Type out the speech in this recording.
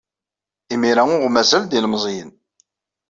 Imir-a ur aɣ-mazal d ilemẓiyen.